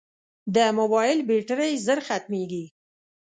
د موبایل بیټرۍ ژر ختمیږي.